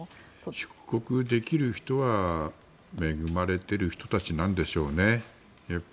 出国できる人は恵まれてる人たちなんでしょうね。